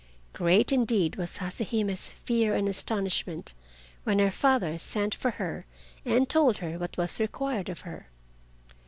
Great indeed was Hase Hime's fear and astonishment when her father sent for her and told her what was required of her.